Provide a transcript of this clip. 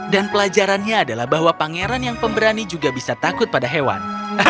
dan pelajarannya adalah bahwa pangeran yang pemberani juga bisa takut pada hewan